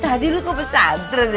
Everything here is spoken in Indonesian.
tadi lu kok pesantren ya